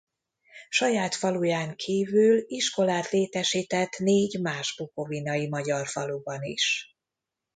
Saját faluján kívül iskolát létesített négy más bukovinai magyar faluban is.